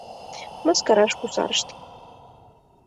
Мыскараш кусарышт